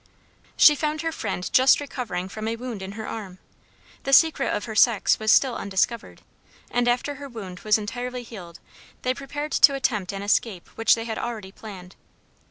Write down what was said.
She found her friend just recovering from a wound in her arm. The secret of her sex was still undiscovered; and after her wound was entirely healed they prepared to attempt an escape which they had already planned.